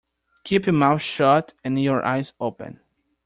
Keep your mouth shut and your eyes open.